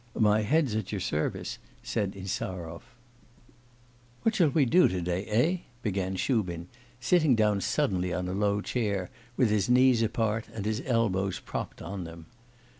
'My head's at your service,' said Insarov. 'What shall we do to day, eh?' began Shubin, sitting down suddenly on a low chair, with his knees apart and his elbows propped on them.